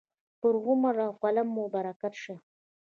پر عمر او قلم مو برکت شه.